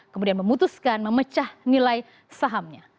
kemudian memutuskan memecah nilai sahamnya